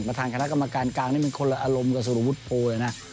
ประธานคณะกรรมการกลางเป็นคนละอลมกับสุรวุฒิโพร